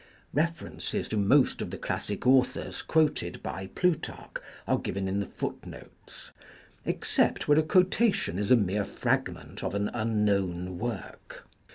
References to most of the classic authors quoted by Plutarch are given in the foot notes, except where a quotation is a mere fragment of an unknown work.